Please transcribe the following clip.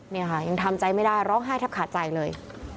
เนี่ยค่ะยังทำใจไม่ได้ร้องไห้แทบขาดใจเลย